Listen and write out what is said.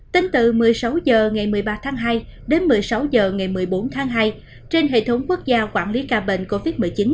tính từ một mươi sáu h ngày một mươi ba tháng hai đến một mươi sáu h ngày một mươi bốn tháng hai trên hệ thống quốc gia quản lý ca bệnh covid một mươi chín